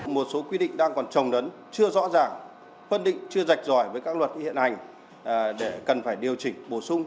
một số quy định đang còn trồng đấn chưa rõ ràng phân định chưa rạch ròi với các luật hiện hành để cần phải điều chỉnh bổ sung